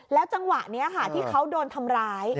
จังหวะนี้ค่ะที่เขาโดนทำร้าย